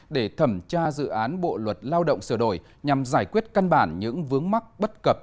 để thẩm tra dự án bộ luật lao động sửa đổi nhằm giải quyết căn bản những vướng mắc bất cập